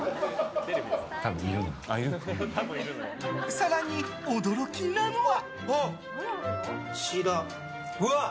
更に驚きなのは。